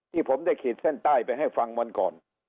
ที่ผมได้ขีดเส้นใต้ไปให้ฟังวันก่อน